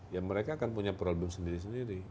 ya mereka akan punya problem sendiri sendiri